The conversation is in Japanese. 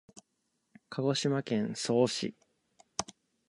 鹿児島県曽於市